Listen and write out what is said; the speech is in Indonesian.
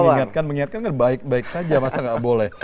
mengingatkan mengingatkan kan baik baik saja masa nggak boleh